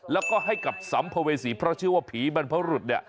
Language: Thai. แล้วก็ให้กับสำพเวศีพระเชื่อว่าผีบรรพรุษ